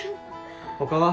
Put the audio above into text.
他は？